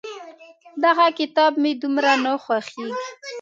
دغه کتاب مې دومره نه خوښېږي.